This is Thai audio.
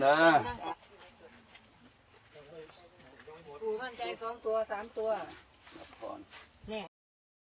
จากฝั่งภูมิธรรมฝั่งภูมิธรรม